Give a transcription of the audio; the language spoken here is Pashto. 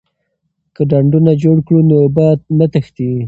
که ډنډونه جوړ کړو نو اوبه نه تښتي.